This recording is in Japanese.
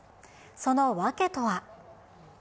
その訳とは。